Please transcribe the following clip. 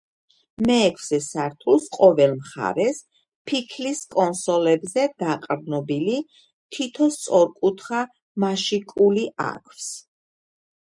მეექვსე სართულს ყოველ მხარეს ფიქლის კონსოლებზე დაყრდნობილი თითო სწორკუთხა მაშიკული აქვს.